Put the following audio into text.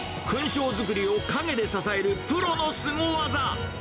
勲章づくりを陰で支えるプロのスゴ技。